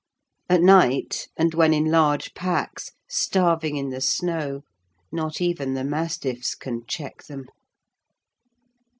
At night, and when in large packs, starving in the snow, not even the mastiffs can check them.